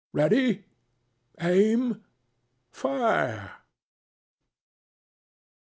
Ready!... Aim!... Fire!"